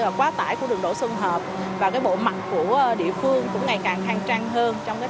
là quá tải của đường đổ xung hợp và cái bộ mặt của địa phương cũng ngày càng than trang hơn trong cái